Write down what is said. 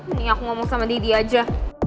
ini aku ngomong sama didi aja